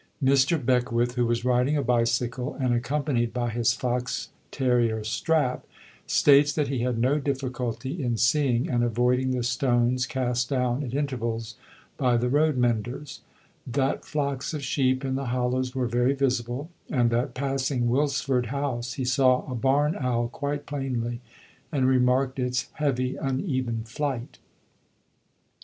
Mr. Beckwith, who was riding a bicycle and accompanied by his fox terrier Strap, states that he had no difficulty in seeing and avoiding the stones cast down at intervals by the road menders; that flocks of sheep in the hollows were very visible, and that, passing Wilsford House, he saw a barn owl quite plainly and remarked its heavy, uneven flight.